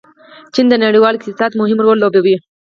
چین د نړیوال اقتصاد مهم رول لوبوي.